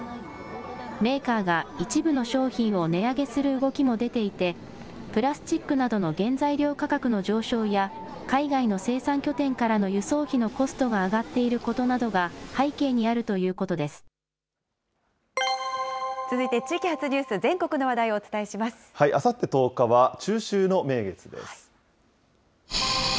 メーカーが一部の商品を値上げする動きも出ていて、プラスチックなどの原材料価格の上昇や、海外の生産拠点からの輸送費のコストが上がっていることなどが背続いて地域発ニュース、全国あさって１０日は、中秋の名月です。